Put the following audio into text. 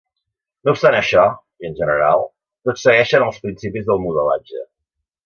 No obstant això, i en general, tots segueixen els principis del modelatge.